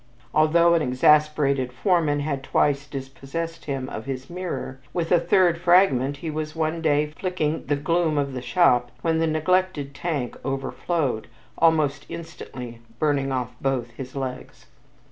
Although an exasperated foreman had twice dispossessed him of his mirror, with a third fragment he was one day flicking the gloom of the shop when the neglected tank overflowed, almost instantly burning off both his legs.